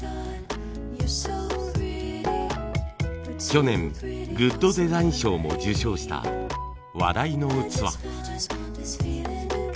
去年グッドデザイン賞も受賞した話題の器。